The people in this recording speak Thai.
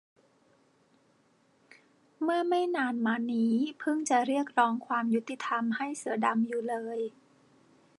เมื่อไม่นานมานี้เพิ่งจะเรียกร้องความยุติธรรมให้เสือดำอยู่เลย